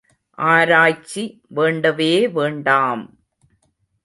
ஆராய்ச்சி வேண்டவே வேண்டாம்!